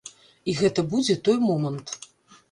І гэта будзе той момант.